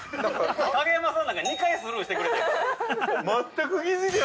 影山さんなんか２回スルーしてくれたんや。